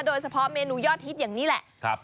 โดยเฉพาะเมนูยอดฮิตอย่างนี้แหละ